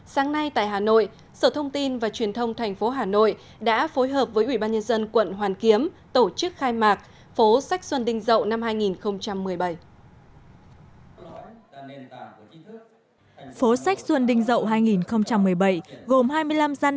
sáng nay tại hà nội sở thông tin và truyền thông thành phố hà nội đã phối hợp với ubnd quận hoàn kiếm tổ chức khai mạc phố sách xuân đinh dậu năm hai nghìn một mươi bảy